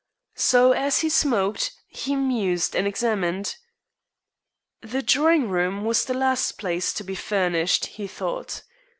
So, as he smoked, he mused and examined. "The drawing room was the last place to be furnished," he thought.